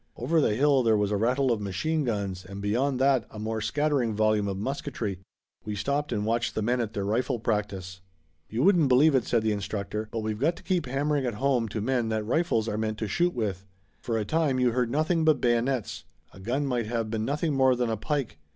Over the hill there was a rattle of machine guns and beyond that a more scattering volume of musketry. We stopped and watched the men at their rifle practice. "You wouldn't believe it," said the instructor, "but we've got to keep hammering it home to men that rifles are meant to shoot with. For a time you heard nothing but bayonets. A gun might have been nothing more than a pike.